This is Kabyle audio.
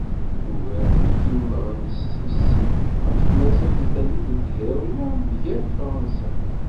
Ugar n timmeɣnest-is ɣef tmaziɣt di tallit n tegrawla mgal Fransa.